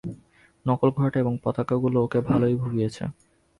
নকল ঘোড়াটা এবং পতাকাগুলো ওকে ভালোই ভুগিয়েছে।